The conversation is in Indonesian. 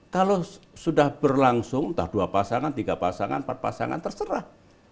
kalau sudah berlangsung entah dua pasangan tiga pasangan empat pasangan terserah